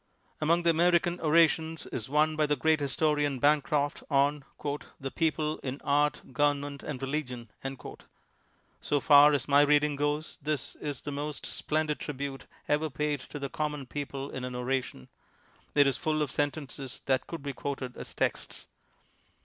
Among the American orations is one by the great historian, Bancroft, on '' The people in Art, Government and Religion." So far as my reading goes, this is the most splendid tribute ever paid to the common people in an oration. It is full of sentences that could be quoted as texts.